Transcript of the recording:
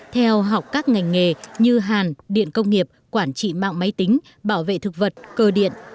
theo học các ngành nghề như hàn điện công nghiệp quản trị mạng máy tính bảo vệ thực vật cơ điện